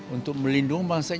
untuk melindungi bangsa ini